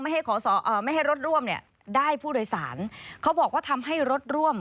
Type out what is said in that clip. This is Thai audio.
ขอไม่ให้รถร่วมเนี่ยได้ผู้โดยสารเขาบอกว่าทำให้รถร่วม